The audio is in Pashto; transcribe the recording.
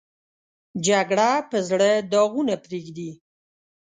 جګړه په زړه داغونه پرېږدي